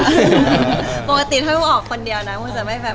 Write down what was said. ปกติถ้าไม่มีผู้ออกคนเดียวนะ